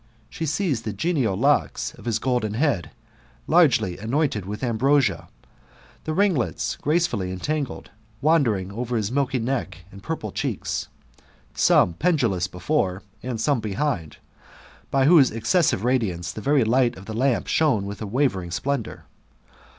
She sees the genial locks of his golden head, largely annointed with am brosia; the ringlets gracefully entangled, wandering over his milky neck and purple cheeks, some pendulous before, and some behind, by whose excessive radiance the very light of the lamp shone with a wavering splendour.